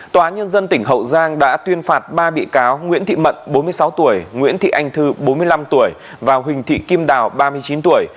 tòa nhân dân tỉnh hậu giang đã tuyên phạt ba bị cáo nguyễn thị mận bốn mươi sáu tuổi nguyễn thị anh thư bốn mươi năm tuổi và huỳnh thị kim đào ba mươi chín tuổi